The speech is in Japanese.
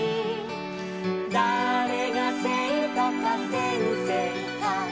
「だれがせいとかせんせいか」